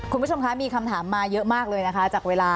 คุณผู้ชมคะมีคำถามมาเยอะมากเลยนะคะจากเวลา